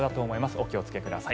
お気をつけください。